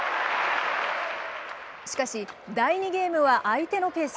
しかし第２ゲームは相手のペース。